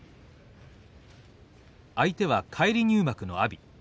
相手は返り入幕の阿炎。